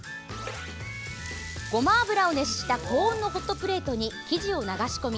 ごま油を熱した高温のホットプレートに生地を流し込み